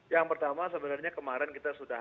yang pertama sebenarnya kemarin kita sudah